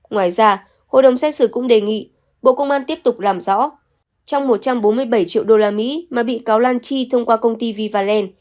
ngoài ra hội đồng xét xử cũng đề nghị bộ công an tiếp tục làm rõ trong một trăm bốn mươi bảy triệu usd mà bị cáo lan chi thông qua công ty vivaland